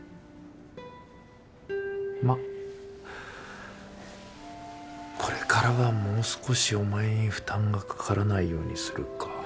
まっこれからはもう少しお前に負担がかからないようにするか。